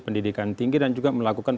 pendidikan tinggi dan juga melakukan